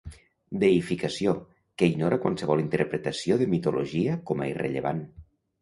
"Deïficació", que ignora qualsevol interpretació de mitologia com a irrellevant.